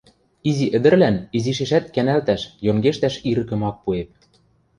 Изи ӹдӹрлӓн изишешӓт кӓнӓлтӓш, йонгештӓш ирӹкӹм ак пуэп.